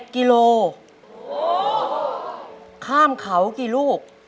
ค้ามเขากี่ลูก